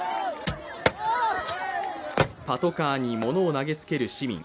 パトカーに物を投げつける市民。